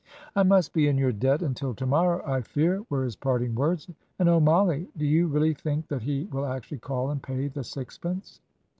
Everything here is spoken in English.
"'I must be in your debt until to morrow, I fear,' were his parting words and oh, Mollie, do you really think that he will actually call and pay the sixpence?"